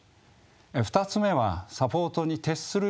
２つ目はサポートに徹する謙虚さ。